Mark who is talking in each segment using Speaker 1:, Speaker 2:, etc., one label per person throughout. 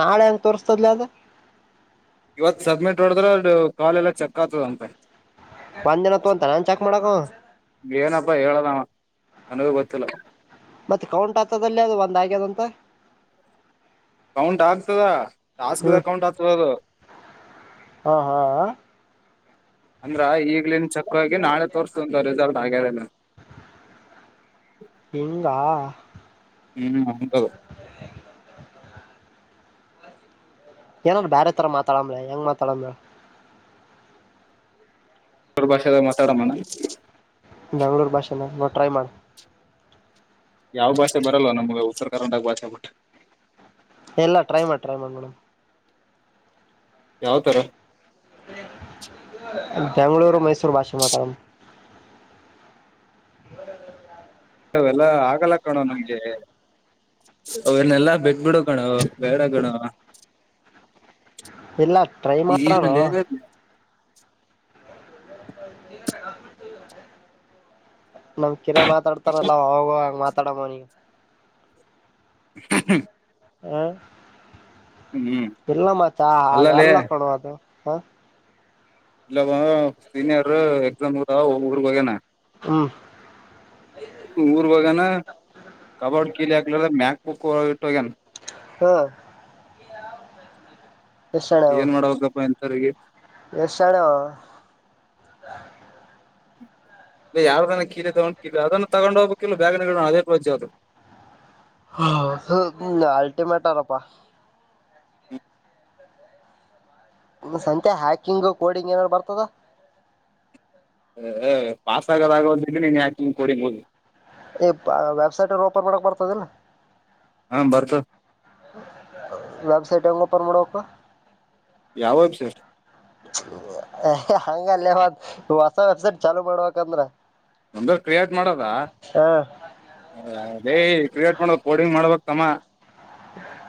Speaker 1: ನಾಳೆ ಹೆಂಗ ತೋರ್ಸ್ತದ್ಲ ಅದ
Speaker 2: ಇವತ್ ಸಬ್ಮಿಟ್ ನೋಡದ್ರೆ ಕಾಲ್ ಎಲ್ಲ ಚೆಕ್ ಆಗ್ತದಂತೆ
Speaker 1: ಒಂದ್ ದಿನ ತೊ ಅಂತ ನಾನ್ ಚೆಕ್ ಮಾಡಕ
Speaker 2: ಏನಪ್ಪಾ ಹೇಳಲ್ಲವ ನನಗೂ ಗೊತ್ತಿಲ್ಲ
Speaker 1: ಮತ್ತೆ ಕೌಂಟ್ ಹತದಲ್ಲಿ ಅದು ಒಂದ ಆಗ್ಯದಂತ
Speaker 2: ಕೌಂಟ್ ಆಗ್ತದ ಟಾಸ್ಕ್ದ
Speaker 1: ಹ್ಮ್
Speaker 2: ಕೌಂಟ್ ಆಗ್ತದದು
Speaker 1: ಹಾ ಹಾ
Speaker 2: ಅಂದ್ರ ಈಗ್ಲನ್ ಚಕ್ಗಿ ನಾಳೆ ತೋರ್ತು ರಿಸಲ್ಟ್ ಆಗ್ಯಾರ
Speaker 1: ಹಂಗ
Speaker 2: ಹ್ಮ್ ಹದು
Speaker 1: ಏನಾರ್ರ ಬೇರೆ ತರ ಮಾತಾಡ ಮೇಳ ಹೆಂಗ ಮಾತಾಡೋದ್ ಹೇಳು
Speaker 2: ಅವ ಭಾಷೆ ಮಾತಾಡೋಣ
Speaker 1: ಬೆಂಗ್ಳೂರು ಭಾಷೆ ನಾವು ಟ್ರೈ ಮಾಡು
Speaker 2: ಯಾವ ಭಾಷೆ ಬರಲ್ಲವ ನಮ್ ಉತ್ತರ ಕನ್ನಡ ಭಾಷೆ ಬಿಟ್ರೆ
Speaker 1: ಎಲ್ಲ ಟ್ರ ಮಾಡಿಟ್ರೈ ಮಾಡ ಮೇಡ್
Speaker 2: ಯಾವ ತರ
Speaker 1: ಬೆಂ್ಳೂರು ಮೈಸೂರು ಭಾಷೆ ಮಾತಾಡ ಹೌ
Speaker 2: ಎಲ್ಲ ಆಗಲ್ಲ ಕಣೋ ನಮ್ಗೆ ಅವನ್ನಲ್ಲಾ ಬಿಟ್ ಬಿಡ ಗಣ ಬೇಡ ಗಣವ
Speaker 1: ಇಲ್ಲ ಟ್ರೈ
Speaker 2: ಈನ
Speaker 1: ಮಾಡೋಣ ಹೌ ನಮ್ ಕಿರ ಮಾತಾಡ್ತಾರಲ್ಲ ಹೋಗುವ ಮಾತಾಡ ಮನಿಗೆ
Speaker 2: [inaudible]
Speaker 1: ಹ
Speaker 2: ಹ್ಮ್
Speaker 1: ಇಲ್ಲಮ್ಮ ಚಾ ಆಗ
Speaker 2: ಅಲ್ಲಲೇ
Speaker 1: ಅಲ್ಲ ಕೊಡುವದು
Speaker 2: ಇಲ್ಲವ ಸೀನಿಯರ್ ಎಕ್ಸಾಮ್ದ ಒ್ರಗ್ ಹೋಗ್ಯನ
Speaker 1: ಹ್ಮ
Speaker 2: ಊರ್ ಹೋಗನ ಕಬಾಡ್ ಕೀಲಿ ಹಾಕ್ಲಾರ ಮ್ಯಾಕ್ ಬಕ್ಕ ಇಟ್ಟೋಗ್ಯನ
Speaker 1: ಹ ಎಷ್ಟ್
Speaker 2: ಏನ್ ಮಾಡುವಪ್ಪ ಎಂಥವರಿಗೆ
Speaker 1: ಎಷಳ
Speaker 2: ಇಲ್ಲ ಯಾರದನ್ನ ಕೀ ತಗೊಂಡು ಕೀ ಅದನ್ನ ತಗೊಂಡ ಹೋಗಬೇಕ ಇಿಲ್ಲ ಬೇಗನೆ ಅದೇಜ ಅದು
Speaker 1: ಹ ಹ ಅಲ್ಟಿಮೇಟ್ ಆರಪ್ಪಾ ಸಂಂತೆ ಹ್ಯಾಕಿಂಗ್ ಕೋಡಿಂಗ್ ಏನಾರರು ಬರ್ತದ
Speaker 2: ಹ ಪಾಸಸ್ ಗಗದಗೋದ್ರೆ ನೀನ್ ಯಾಕೆಂಗ ಕೊಡಿನ್ಬೋದು
Speaker 1: ವೆಬ್ಸೈಟ್ ಅಲ್ಲಿ ಓಪನ್ ಮಾಡಕ್ ಬರ್ತದಿಲ್ಲಾ
Speaker 2: ಹಾ ಬರ್ತ
Speaker 1: ವೆಬ್ಸೈಟ್ ಹೋಗಪಮಡೋಕ್ಕ.
Speaker 2: ಯಾವೆಬ್ಸೈಟ್.
Speaker 1: ಹಂಗಲ್ಲೇ ಹೊ ಹೊಸ ವೆಬ್ಸೈಟ್ ಚಲು ಮಾಡ್ಬೇಕಂದ್ರ.
Speaker 2: ಒಂದ ಕ್ರಿಯೇಟ್ ಮಾಡದ.
Speaker 1: ಹ
Speaker 2: ಅದೇಯ್ ಕ್ರಿಯೇಟ್ ಮಾಡ ಕೋಡಿಂಗ್ ಮಾಡ್ಬೇಕ್ ತಮ್ಮ.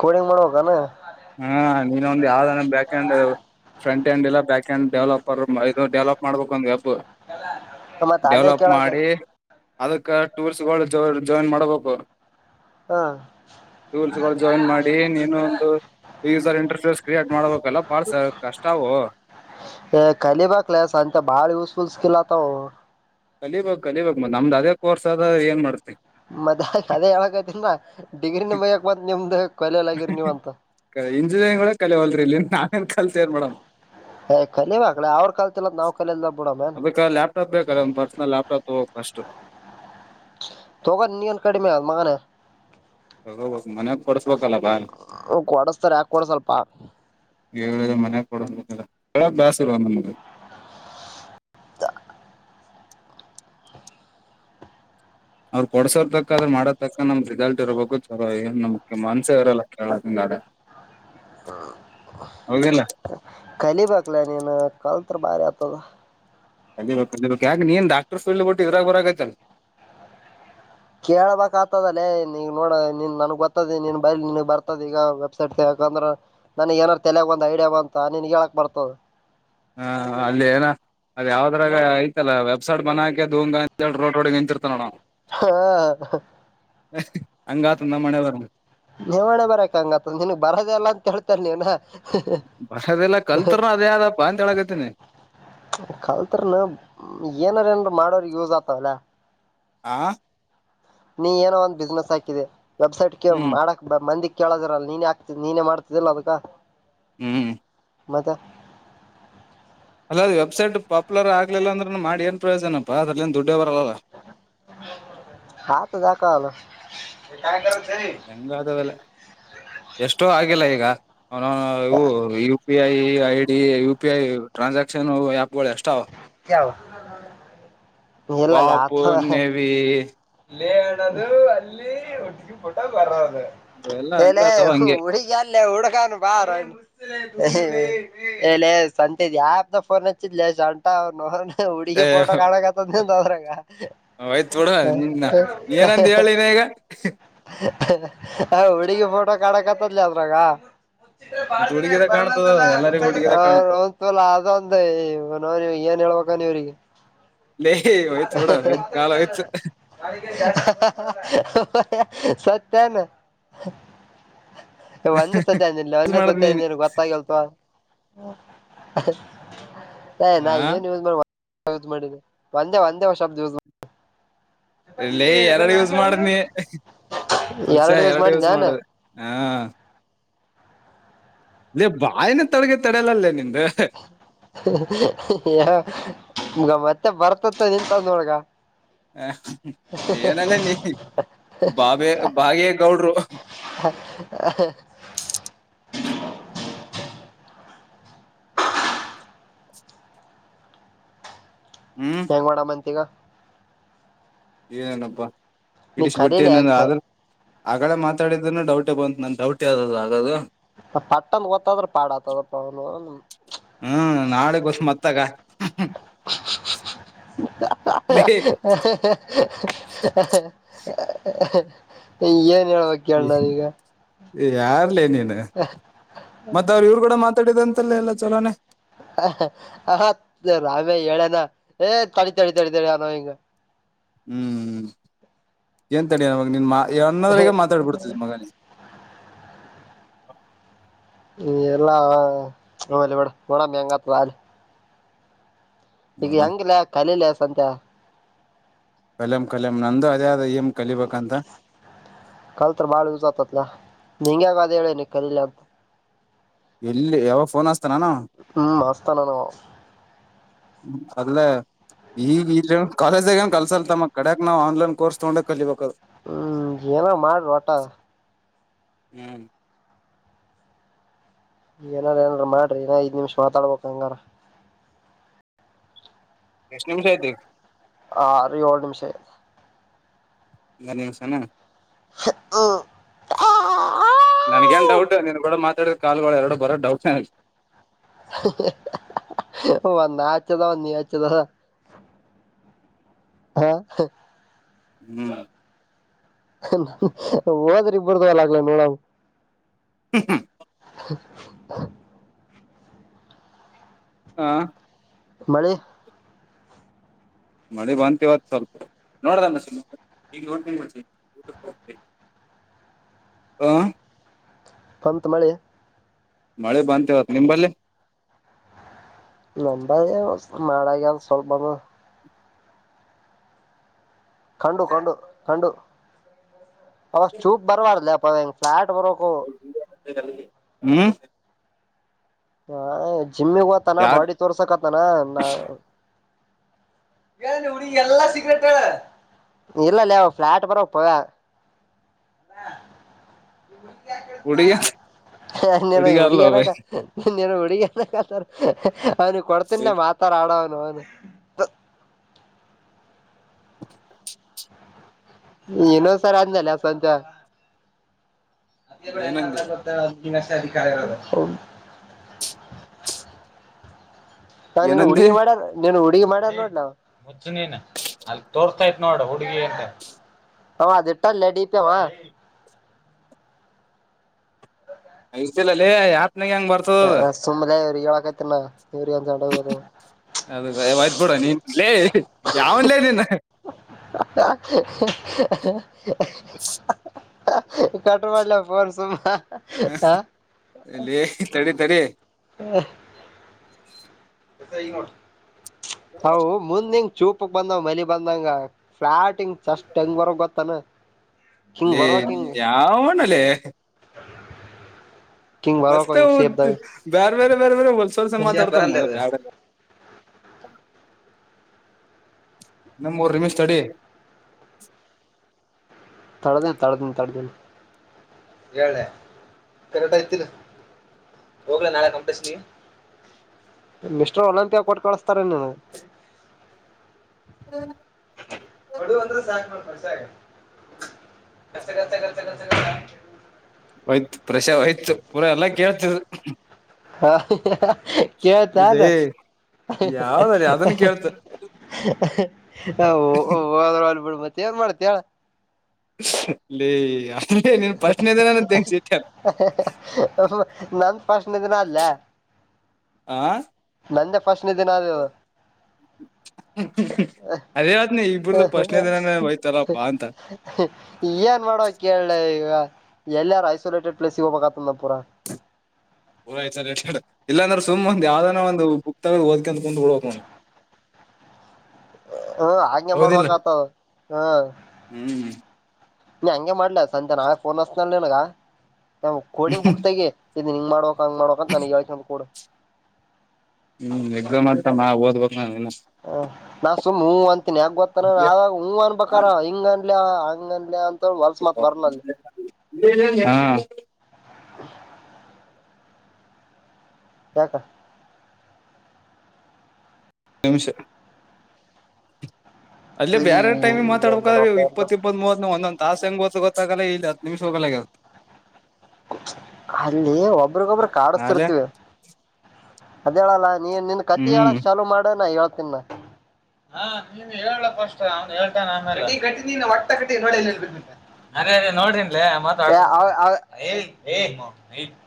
Speaker 1: ಕೋಡಿಂಗ್ ಮಾಡ್ಬೇಕಾನ.
Speaker 2: ಹಾ ನೀನೊಂದು ಯಾವ್ದಾರ ಬ್ಯಾಕೆಂಡ್. ಫ್ರಂಟ್ ಹ್ಯಾಂಡ್ ಇಲ್ಲ ಬ್ಯಾಕೆಂಡ್ ಡೆವಲಪರ್ ಇದು ಡೆವಲಪ್ ಮಾಡ್ಬೇಕು ಒಂದು ವೆಬ್.
Speaker 1: ಮತ್ ಅದೇ
Speaker 2: ಡೆವಲಪ್
Speaker 1: ಕೇಳಕ.
Speaker 2: ಮಾಡಿ ಅದಕ್ಕ ಟೂರ್ಸ್ಗಳು ಜ ಜಾಯಿನ್ ಮಾಡಬೇಕು.
Speaker 1: ಹ
Speaker 2: ಟೂಲ್ಸ್ಗಳು ಜಾಯಿನ್ ಮಾಡಿ ನೀನು ಒಂದು. ಈಸರ್ ಇಂಟರ್ಫೇಸ್ ಕ್ರಿಯೇಟ್ ಮಾಡ್ಬೇಕಲ್ಲ ಬಾಳ ಸ ಕಷ್ಟವು.
Speaker 1: ಕಖಲೀಬಾ ಕ್ಲಸ್ ಅಂತ ಬಾಳ ಯೂಸ್ಫುಲ್ ಸ್ಕಿಲ್ ಆತವು.
Speaker 2: ಕಲಿಬೇಕು ಕಲಿಬೇಕು ಮತೆ ನಮ್ದ ಅದೇ ಕೋರ್ಸ್ ಆದದ ಏನ್ ಮಾಡ್ತತಿ.
Speaker 1: ಮದ ಅದೇ ಹೇಳಕತಿಲ್ಲ ಡಿಗ್ರಿ ನಿಮ ಮಕ್ ಬಂದ ನಿಮ್ದ ಕಲೆಲ್ಲ ಆಗಿರಿ ನೀವಂತ.
Speaker 2: ಇಂಜಿನಿಯರಿಂಗ್ ಕೂಡ ಕಲಿವಲ್ರಿ ಇಲ್ಲಿ ನಾವೇನ್ ಕಲ್ತೇರ್ ಮೇಡಮ್.
Speaker 1: ಕಲಿಬೇಕಕ್ಲ ಅವ್ರ ಕಲ್ತಿಲ್ಲ ನಾವ್ ಕಲಿಯಲ್ಲ ಬಿಡ ಮೇನ್
Speaker 2: ಅ ಕ ಲೇಪಟಾಪ ಬೇ ಕ ಪರ್ಸನಲ್ ಲೇಪಟೋಪ ಹೋಗ ಅಷ್ಟು
Speaker 1: ತಗ ನೀಿಯನ್ ಕಡಿಮೆ ಆ ಮಗಾನ
Speaker 2: ಹಗ ಮನ್ಯಾಗ ಕೊರ್ಸ್ಬೇಕಲ್ಲ ಬಾ
Speaker 1: ಹ್ ಕೊಡಸ್ತಾರೆ ಯಾಕ ಕೊಡ ಸ್ವಲ್ಪ
Speaker 2: ಏ ಮನೆ ಕೊಡಲ್ಲ ಕೆ ಬಾಸ್ ಇಲ್ ನಮ್ಗೆ
Speaker 1: ತ್ತ
Speaker 2: ಅವ್ರು ಪೊಡಸೋರ್ ತಕ್ಕಕ ಆದ್ರ ಮಾಡ ತಕ್ಕ ನಮ್ದ ರಿಸಲ್ಟ್ ಇರಬೇಕು ತರ ಏ ನಮ್ ಮನ್ಸ ಇರಲ್ಲ ಕೇಳದಿಂದಡೆ
Speaker 1: ಹ [inaudible]
Speaker 2: ಹೌಗಲ್ಲ
Speaker 1: ಕಲಿಬೇಕಕ್ಲ ನೀನು ಕಲ್ತ್ ಭಾರಿ ಆತದ
Speaker 2: ಅದ ಯಕ ನೀನ್ ಡಾಕ್ಟರ್ಫೀಲ್ಡ್ ಬಿಟ್ಟು ಇದಾಗ ಬರಾಗೈತಲ್ಲ
Speaker 1: ಕೇಳಳ್ಬೇಕಕ್ ಆಗ್ತದಲ್ಲೇ ನೀಗ್ ನೋಡ ನೀನ್ ನನ್ಗ್ ಗೊತ್ತದ ನೀನ್ ಬೈಲ್ ನಿನ್ಗ್ ಬರ್ತದ ಈಗ ವೆಬ್ಸೈಟ್ಗೆ ಯಾಕಂದ್ರ ನನಗ್ ಏನಾರ್ ತಲಯಗ್ ಒಂದ ಐಡಿಯಾ ಬ ಅಂತ ನೀನ್ ಹೇಳಕ್ ಬರ್ತದ
Speaker 2: ಹಾ ಅಲ್ಲಿ ಏನ ಅದ ಯಾವ್ದದ್ರಾಗ ಐತಲ್ಲ ವಬ್ಸೈಟ್ ಬಂದ ಹಾಕದ ಹಂಗ ಅಂತ ಹೇಳಿ ರೋಡ್ ರೋಡ ನಿಂತಿರ್ತ ನೋ
Speaker 1: ಹಾ
Speaker 2: ಹಂಗಾ ತಂದ ಮನೆೆವರ
Speaker 1: ನೀವಣ ಬರಕ್ ಹಂಗತ್ ನಿನ್ಗ್ ಬರದಲ್ಲ ಅಂತ ಹೇಳ್ತರ್ ನೀವ್ನ
Speaker 2: ಬರದೆಲ್ಲ ಕಲ್ತ್ರು ಅದೇ ಆದಪ್ಪಾ ಅಂತ ಹೇಳಕತ್ತಿನಿ
Speaker 1: ಕಲ್ತ್ರನ ಏನಾರ ಹಿಂಗ್ ಮಾಡೋದು ಯೂಸ್ ಆತವಲ್ಲಾ
Speaker 2: ಆ
Speaker 1: ನೀ ಏನೋ ಒಂದ್ ಬಿಸ್ನೆಸ್ ಹಾಕಿದೆ ವೆಬ್ಸೈಟ್ಗೆ
Speaker 2: ಹ್ಮ್
Speaker 1: ಮಾಡಕ್ ಬ ಮಂದಿ ಕೇಳೋದರಲ್ಲ ನೀನೇ ಆಗ್ತಿದ್ ನೀನೇ ಮಾಡ್ತಿದ್ದಲ್ಲ ಅದಕ್ಕ
Speaker 2: ಹ್ಮ್
Speaker 1: ಮತ್ತೆ
Speaker 2: ಅಲ್ಲ ಅದು ವೆಬ್ಸೈಟು ಪಾಪ್ಲರ್ ಆಗ್ಲಿಲ್ಲ ಅಂದ್ರನು ಮಾಡಿ ಏನ್ ಪ್ರಯೋಜನಪ್ಪ ಅದ್ರಲ್ಲೇನ್ ದುಡ್ಡ ಬರಲ್ಲ
Speaker 1: ಹಾ ತ [unintelligible]
Speaker 2: ಹೆಂಗಾದವಲ್ಲಿ ಎಷ್ಟೋ ಆಗಿಲ್ಲ ಈಗ ಅವನ ಅವು ಇವು P I I D U P I transaction ಆ್ಯಪ್ಗಳು ಎಷ್ಟಾವ
Speaker 1: ಯ ಎಲ್ಲಲ್ಲಿ ಆಥ
Speaker 2: ವಾಪು [unintelligible]
Speaker 1: [unintelligible] ಅಣದು ಅಲ್ಲಿ ಒಟ್ಟಿಗೆ ಪುಟ್ಟ ಬರದು
Speaker 2: ಇವೆಲ್ಲಾ
Speaker 1: ಎಲ್ಲ
Speaker 2: ಹಂಗ ಅಥವಾ ಹಂಗೆ
Speaker 1: ಹುಡಿಗಲ್ಲ ಹುಡುಕಾನ ಬಾರೊ ಎಲೆ ಸಂತೆಗ್ ಯಾರ್ದಾಗ್ ಫೋನ್ ಹಚ್ಚಿದ್ಲೆ ಶಾಂಟ ಅವ್ರ್ ನೌನ್ ಹುಡುಗಿ ಪೋಟೋ ಕಾಣಕತದ್ ನಿಂಗ್ ಅದ್ರಾಗ
Speaker 2: ಒಯ್ತು ಬಿಡುವ ನಿನ್ನ ಏನಂದ ಹೇಳಿನ ಈಗ
Speaker 1: ಹುಡುಗಿ ಫೋಟೋ ಕಾಡಕತ್ತದಲಿ ಅದ್ರಾಗ ಹಿದ್ರೆ ಬಾಳ
Speaker 2: ಮತ್
Speaker 1: ದಿನ
Speaker 2: ಹುಡುಗಿದ ಕಾಣ್ತದ
Speaker 1: ಬರಲ್ಲಂತಲ್ಲ
Speaker 2: ಎಲ್ಲರಿಗೂ ಹುಡುಗಿದ ಕಾಣ್ತದ
Speaker 1: ಗೊತ್ತಾಗ ಇಲ್ಲ ಅದು ಒಂದ ಇ ನ ನೀ ಏನ್ ಹೇಳ್ಬೇಕ ನೀ ಇವ್ರಿಗೆ
Speaker 2: ಲೇ ಹೋಯ್ತ್ ನೋಡ ಆಯ್ತ್ ಕಾಲ ಆಯ್ತ
Speaker 1: ಸತ್ಯನು [unintelligible] ಒಂದು ಸತಿ ಅಂದಿಲ್ಲ
Speaker 2: ಯೂಸ್
Speaker 1: ಒಂದ
Speaker 2: ಮಾಡದ್
Speaker 1: ಸತಿ
Speaker 2: ನೀನ್
Speaker 1: ಅಂದಿರ್ ಗೊತ್ತಾಗಿಲ್ತವಾ ಹ್ಮ್ ಆಹ್ಹ್ ಯಾ
Speaker 2: ಹ
Speaker 1: ನಾ ಏನ್ ಹೇಳಿದ್ [unintelligible] ಯುಜ್ ಮಾಡಿದ್ಯ ವಂದೇ ವಂದೇ ಶಬ್ದ ಯೂಸ್
Speaker 2: ಇಲ್ಲಿ ಎರಡ್ ಯೂಸ್ ಮಾಡುದ್ನಿ ಪುಲ್ಸ ಎರಡು ಯೂಸ್ ಮಾಡುದ್ರ್ ಹಾ ಏ ಬಾಯಿನ ತೊಲ್ಗೆ ತಡಲಲ್ಲೇ ನಿನ್ದು
Speaker 1: ನಿಮ್ಗ ಮತ್ತೆ ಬರ್ತತ್ತ ನಿಂತ ನೋಳಗ
Speaker 2: ಹ ಏನಂಗ ನೀ ಬಾಬೆ ಬಾಗೇ ಗೌಡ್ರು
Speaker 1: ಹ
Speaker 2: ಮ್ಮ್
Speaker 1: ಮಾಡ ಮಂತಿಗ
Speaker 2: ಏನೇನಪ್ಪಾ
Speaker 1: ನೀ
Speaker 2: ಹಿಡಿಸಿ್ಬಟ್ಟೆ
Speaker 1: ಕಲೀಲಿ
Speaker 2: ಏನಂದ್ರ
Speaker 1: ಯಾಕ
Speaker 2: ಆಧಾರ್ [unintelligible] ಆಗಡೆೇ ಮಾತಾಡಿದ್ರುನು ಡೌಟೆ ಬಂತು ನನ್ ಡೌಟ್ ಯಾವ್ದದು ಹಾಗದು
Speaker 1: ಪಟ್ಟಂದ ಗೊತ್ತದ್ರ ಪಾಡ್ ಆತದಪ್ಪ ಅವ [unintelligible]
Speaker 2: ಹ್ಮ್ ನಾಳೆಗೋಷ ಮತ್ತಾಗ
Speaker 1: [unintelligible]
Speaker 2: ಲೇ
Speaker 1: [inaudible] ಏನ್ ಹೇಳ್ಬೇಕ ಕೇಳ ನಾನೀಗ [unintelligible]
Speaker 2: ಯಾರ್ಲೇ ನೀನು ಮತ್ತ ಅವ್ರ ಇವ್ರು ಕೂಡ ಮಾತಾಡಿದ ಅಂತಲ್ಲ ಎಲ್ಲ ಚಲೋನನೆ
Speaker 1: ರಾಮೇ ಹೇಳೇನಾ ಏ ತಡಿ ತಡಿ ತಡಿ ಅ ನಾವ್ ಹಿಂಗ [unintelligible]
Speaker 2: ಹ್ಮ್್ಮ ಏನ್ ತಡಿಯ ಮಾಗ ನಿನ್ ಮಾನ್ನದ್ರಾಗ ಮಾತಾಡ್ಬಿಡ್ತಿದ ಮಗನಿ
Speaker 1: ಎಲ್ಲ ಬಡ ಬಡ ಮೇಂಗತ್ ಅ [unintelligible] ಈಗ
Speaker 2: ನೋಡಮ್
Speaker 1: ಹೆಂಗಿಲ್ಲ ಕಲಲ ಸಂತೆ
Speaker 2: ಕಲೆಮ್ ಕಲೆಮ್ ನಂದುು ಅದೇ ಅದ ಏಮ್ ಕಲಿಬೇಕಂತ
Speaker 1: ಕಲ್ತ್ರ ಬಾಳ ಇತತ್ಲಾ ನಿಂಗಾಗ ಅದ ಹೇಳೇನ ಕರಲ ಅಂತ [unintelligible]
Speaker 2: ಎಲ್ಲಿ ಯಾವಾಗ ಫೋನ್ಸ್ತಾನಾನ ಹ
Speaker 1: ಹ್ಮ್ ಮಸ್ತಾನ ನಾವು
Speaker 2: ಅದಲ್ಲೇ ಈಗ ಇನ್ ಕಾಲೇಜಾಗ ಏನ್ ಕಲ್ಸಲ್ತಮ್ಮ ಕಡೆ ನಾವು ಆನ್ಲೈನ್ ಕೋಸ್ ತಗೊಂಡ ಕಲಿಬೇಕ ಅದು
Speaker 1: ಹ್ಮ್ ಏನ ಮಾಡ್ರಿ ಒಟ
Speaker 2: ಹ್ಮನ್
Speaker 1: ಈಗಏನಾರ ಏನಾರ ಮಾಡ್ರಿಏ ಐದ್ಮಿಷ ಮಾತಾಡ್ಬೇಕಕ್ ಹಂಗಾರ
Speaker 2: ಎಷ್ಟ್ ನಿಮಿಷ ಐತ್ರಿ
Speaker 1: ಆ ಅೋಳ ನಿಮಿಷಯ
Speaker 2: ಗಸನ [unintelligible]
Speaker 1: ಹ ಹ
Speaker 2: ನನ್ಗ ನ್ ಡೌಟ್ ನೀನ್ ಕೂಡ ಮಾತಾಡಿದ ಕಲ್ಗಳು ಎರಡು ಬರೋ ಡೌಟ್
Speaker 1: ಒಂದ ಆಚದ ಒಂದ ಹಚದ [unintelligible] ಹಾ
Speaker 2: ಹ್ಮ್
Speaker 1: ಹೋದ್ರಿಬ್ಬ್ರದು ಒಲ ಆಗ್ಲ ನೋಡ
Speaker 2: ಹ ಹ ಹಾ
Speaker 1: ಮಳಿ
Speaker 2: ಮಳೆ ಬಂತವತ್ ಸ್ವಲ್ಪ ನೋಡದಣ ಸ ಈ ನೋ ಹ
Speaker 1: ಪಂತ್ ಮಳೆ
Speaker 2: ಮಳೆ ಬಂದಂತ್ ನಿಂಬಲ್ಲಿ
Speaker 1: ನಂಬ ಮಾಡಾಗ ಅ ಸ್ವಲ್ಪಂದು ಕಂಡು ಕಂಡು ಕಂಡು ಅವಷ್ಟ ಚೂಪ್ ಬರವಾರಲ್ಲ ಅಪ್ಪ ಹೆಂಗ ಫ್ಲಾಟ್ ಬರಬೇಕು
Speaker 2: ಹ್ಮ್
Speaker 1: ಹ ಜಿಮ್ಮಿಗೆ ಹೋ್ತಾನ
Speaker 2: ಯಾರ್
Speaker 1: ಬಾಡಿ ತೋರ್ಸಕತನ ನಾ ಎಲ್ಲಾ ಸಿಗ್ರಟ್ ಇಲ್ಲಲ್ಲ ಫ್ಲಾಟ್ ಬರ
Speaker 2: ಹುಡುಗಿ
Speaker 1: ನ್ನೆನ
Speaker 2: ಹುಡುಗಿ ಅಲ್ಲೋ ಬೈ
Speaker 1: ಡಿಯಾರಕ್ಕ [unintelligible] ನೀನು ಹುಡುಗಿತ ಅವ್ನಿಗೆ ಕೊಡ್ತನ್ ಮಾತಾರ ಆಡ ಅವನು ಅವನು [unintelligible] ಏನೋ ಸರ್ ಆದ್ಮೇಲೆ ಸ್ವಂತ
Speaker 2: ಏನಂದೆ
Speaker 1: ಿನ ಅಧಿಕಾರಲ್ಲ [unintelligible] ನಾನುನು ಹಡುಿ
Speaker 2: ಏನಂದಿ
Speaker 1: ಮಾಡಾರ ನೀ ಹುಡುಗಿ ಮಾಡ ನೋ ಮುದ್ ನೀನ್ ಅಲ್ಲಿ ತೋರ್ತಾ ಇತ್ ನೋಡ ಹುಡುಗಿ ಅಂತ ಅವ ಅದಟಾಲ್ಲ ಡಿೀಪ್ಯಾಮ
Speaker 2: ಯಸಲಲ್ಲಿ ಯತ್ನಾಗ ಹೆಂಗ್ ಬರ್ತದ
Speaker 1: ಸುಮ್ಮನೆ ಇವ್ರರು ಹೇಳಕತಿನ ಇವ್ರಿಗೆ ಒಂದ್ೋದು
Speaker 2: ಅದವಯ್ತ ಬಿಡ ನೀನ್ ಲೇ ಯಾವನ್ಲೇ ನಿನ್
Speaker 1: [inaudible] ಕಟ್ ಮಾಡಡ್ಲ ಪೋರ್ ಸುಮ್ಮ
Speaker 2: ಹ ಎಲ್ಲಿ ತಡಿ ತಡಿ
Speaker 1: ಹೌ ಮುಂದಿಂಗ್ ಚೂಕ್ ಪಪ್ಪಕ್ ಬಂದ ಮಲಿ ಬಂದಂಗ ಫ್ಲಾಟ್ಲಿಂಗ್ ಚಷ್ಟಟ್ ಹೆಂಗ್ವರಗ್ ಗೊತ್ತಾನ ಹಿಂಗ್
Speaker 2: ಲೇ ನಿನ್ ಯಾವನಲ್ಲೇ
Speaker 1: ಹ
Speaker 2: ಮಸ್ತ ಬೇರೆ ಬೇರೆ ಬೇರೆ ಬೇರೆ ಹೊಲ್ಸ ಹೊಲ್ಸ
Speaker 1: ಶೇಪ್
Speaker 2: ಮಾತಾಡ್ತಾ ನನ್
Speaker 1: ಬರಲ್ಲ
Speaker 2: ಮಗ
Speaker 1: ಅದು
Speaker 2: ಬೇ ಬೇರೆ ನಿಮ್ ಊ ರಿಮಿ ಸ್ಟಡಿ
Speaker 1: ತಳದೇ ತಳ್ದ ತಳ್ದ ಹೇಳೆ ಕರೆಕ್ಟ್ ಐತಿಲ್ಲ ಹೋಗ ನಾಳೆ ತಲ್ಲಪ್ಸಿತಿ ಒಂತ ಕೊಟ್ಟ ಕಳಸ್ತಾರ ನೀನು
Speaker 2: ಹ್ಮ್
Speaker 1: ಹಡು ಅಂದ್ರೆ ಸಾಕು ಮಾಡ್ಕೊ ಸಾಕರ್ರ್ರ್
Speaker 2: ಹೊಯ್ತು ಎಲ್ಲಾ ಹೊಯ್ತು ಪ್ರಷಾಯ್ತು ಪೂರಾ ಎಲ್ಲಾ ಕೇಳ್ತಿದ್ರು
Speaker 1: ಹ
Speaker 2: ಇದೇ
Speaker 1: ಕೇಳ್ತಾರು ಹುಂ
Speaker 2: ಯಾವ್ದ್ರ ಅದನ್ನ ಕೇಳ್ತ
Speaker 1: ಹು ಹ ಹೊದ್ರೆ ಹೊಗ್ಲಿ ಬಿಡ ಮತ್ತೆ ಏನ್ ಮಾಡ್ತೀಯ ಹೇಳ್
Speaker 2: ಇಲ್ಲ ಅ್ರೆ ನೀನ್ ಪ್ರಶ್ನೆದ ನಾನ ತಂಗ ಸತ
Speaker 1: ನನ್ ಪ್ರಶಣ ಇದನ ಅಲ್ಲ
Speaker 2: ಆಾಂ
Speaker 1: ನಂದೇ ಫಸ್ನ ದಿನ ಅದು
Speaker 2: ಅದೇ ಆತ್ ನೀ ಇಬರ್ದು
Speaker 1: ಅದು
Speaker 2: ಪ್ರಶ್ನೆ ದಿನ ಹಯ್ತಾರಪ್ಪಾ ಅಂತ
Speaker 1: ಏನ್ ಮಾಡುವ ಕೇಳೆ ಈಗ ಎಲ್ಲಾರು ಐಸೋಲೇಟೆಡ್ ಪ್ಲೇಸ್ಗೆ ಹೋಗ್ಬೇಕತದ ನ ಪೂರ
Speaker 2: ಪುರ ಆ್ತ ಇಲ್ಲ ಅಂದ್ರ ಸುಮ್ ಒ್ ಯಾವ್ದನ ಒಂದು ಬುಕ್ ತಗದ ದ್ಕ ಅಂತ ಕುಂದ್ಡ್ಡಬೇಕು ನ
Speaker 1: ಹ್ಮ್ ಹಾಗಗೆ
Speaker 2: ಹೌದಿಲ್ಲ
Speaker 1: ಮಾಡ್ಬೇಕಕ್ ಆತದ ಹ್ಮ
Speaker 2: ಹ್ಮ್
Speaker 1: ನೀ ಹಂಗೆ ಮಾಡ್ಲ ಸಂಂತೆ ನಾಳೆ ಫೋನ್ ಹಸನನಗ ಕೋಡಿಂಗ್ ಬುಕ್ಸ್ ತೆಗಿ ಇದು ಹಂಗ್ ಮಾಡಕ ಹಂಗ ಮಾಡಕ ಅಂತ ನನ್ ಯಾವ ಕ ಕೊಡು
Speaker 2: ಹ್ಮ್ ಎಕ್ಸಾಮ್ ಅತ ನ ಓದ್ಬೇಕಕ್ ನಾ ಇನ್ನ
Speaker 1: ಹ ನಾನ್ ಸುಮ್ಮ್ ಹೂವ ಅಂತೀನಿ ಯಾಗ್ ಗೊತ್ತತಾನ ಆಾಗ ಹೂವ ಅನ್ಬೇಕಾರ ಹಿಂಗ ಅಲ್ಲಾ ಅಂಗಲ್ಲ
Speaker 2: ಹಾ
Speaker 1: [inaudible] ಕಕ
Speaker 2: ತಮಸ ಅಲ್ಲೇ
Speaker 1: ಈ
Speaker 2: ಬೇರೆ ಟೈಮಿಗೆ
Speaker 1: ಏನ್
Speaker 2: ಮಾತಾಡ್ಬೇಕಾದ್ರ
Speaker 1: ಮಾಡಬೇಕ ಅಂತ
Speaker 2: ಇಪ್ಪತ್ತ ಇಪ್ಪತ್ವ ಒಂದೊ ತಾಸ ಹೆಂಗೋತ್ತು ಗೊತ್ತಾಗಲ್ಲ ಇಲ್ಲತ್ತು ನಿಮಿಷ ಹೋಗಾಗ
Speaker 1: ಅಲ್ಲಿ ಒಬ್ರಗೊಬರು
Speaker 2: ಆಲೆ
Speaker 1: ಕಾಡಸ್ತಿರ್ತಿೀವಿ ಅದ ಹೇಳಲ್ಲ ನೀ ನಿನ್ ಕತಿ
Speaker 2: ಹ್ಮ್
Speaker 1: ಹೇಳಕ್ ಚಲು ಮಾಡನ ಹೇಳ್ತನ್ ನ ಹಾ ನೀನ್ ಹೇಳ್ಲ್ ಪಷ್ಟ್ ಅವ್ನು ಹೇಳ್ತಾನೆ ಆ ಮೇಲೆ ಈಟಿ ನೀ ಒಟ್ಟ ಕಘಟಿ ನೋಡ ಹೇಳ್ಬೇಕುಟ ಅದೇ ಅದೇ ನೋಡ್ರಿನ್ಲ ಮಾತ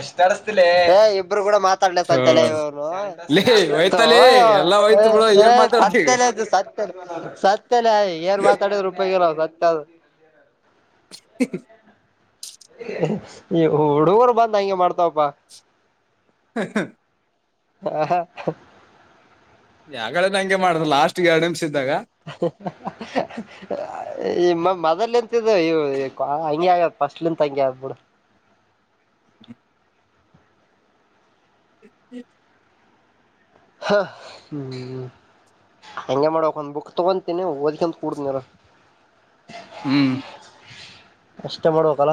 Speaker 1: ಎಷ್ಟು [unintelligible] ಇಬ್ರು ಕೂಡ ಮಾತಾಡ್ಲ
Speaker 2: ಥೂ
Speaker 1: [inaudible] ಸತ್ತಲ್ಲಯ್
Speaker 2: ಲೇ ಹೋಯ್ತಲೇ ಎಲ್ಲಾ ಹೋಯ್ತು ಬಿಡು ಏನ್ ಮಾತಾಡ್ತಿ.
Speaker 1: ಏನ್ ಮಾತಾಡಿದರ ಉಪಯೋಗ ಸತ್ತ ಅದು
Speaker 2: ಹ
Speaker 1: ಹುಡುಗರು ಬಂದ ಹಂಗೆ ಮಾಡ್ತಾವಪ್ಪಾ
Speaker 2: ಹ ಹ
Speaker 1: ಹಾ ಹಾ
Speaker 2: ಯಾವಾಗಡೆೇ ಹಂಗೆ ಮಾಡ್ರ ಲಾಸ್ಟ್ ಎರಡ್ ನಿಮಿಷ ಇದ್ದಾಗ
Speaker 1: ಮದಲ್ಂತ ಹಂಗೆ ಆಗ್ಯ್ ಫಸ್ಟ್ಲಿಂತ ಹಂಗೆ ಆದ್ ಬಿಡು
Speaker 2: ಹ್ಮ ಹ್ಮ
Speaker 1: ಹಾ ಹ್ಮ ಹೆಂಗೆ ಮಾಡ್ಬೇಕ ಒಂದ್ ಬುಕ್ ತಗೋಂತಿನಿ ಓದಕಂತ ಕುೂಡತಿನ ಇರ
Speaker 2: ಹ್ಮ್
Speaker 1: ಅಷ್ಟೇ ಮಾಡ್ಬೇಕಲ್ಲ.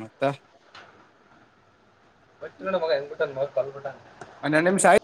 Speaker 2: ಮತ್ತ
Speaker 1: ಬತ್ತ ನೋಡ ಮಗ ಹೆಂಗ ಬಿಟ್ಟನ ಕಲ್ ಬಿಟ್ಟಂಗ
Speaker 2: ಹನ್ನೆಡ ನಿಮಷ ಆಯ